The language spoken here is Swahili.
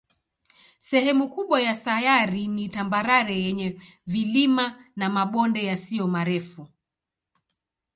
Sehemu kubwa ya sayari ni tambarare yenye vilima na mabonde yasiyo marefu.